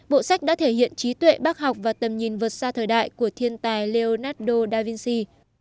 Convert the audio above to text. bộ sách đã thể hiện trí tuệ bác học và tầm nhìn vượt xa thời đại của thiên tài leonardo davinsi